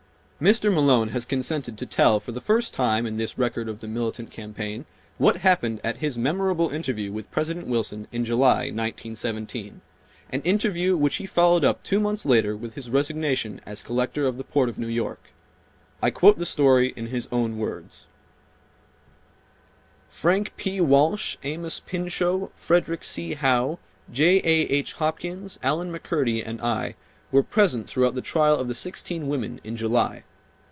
Mr. Malone has consented to tell for the first time, in this record of the militant campaign, what happened at his memorable interview with President Wilson in July, 1917, an interview which he followed up two months later with his resignation as Collector of the Port of New York. I quote the story in his own words: Frank P. Walsh, Amos Pinchot, Frederic C. Howe, J. A. H. Hopkins, Allen McCurdy and I were present throughout the trial of the sixteen women in July.